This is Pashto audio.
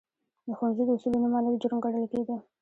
د ښوونځي د اصولو نه منل، جرم ګڼل کېده.